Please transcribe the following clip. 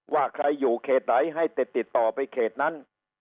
ว่าใครอยู่เขตไหนให้ติดต่อไปเขตนั้น